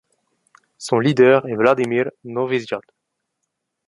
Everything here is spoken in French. Son leader est Vladimir Novisiad.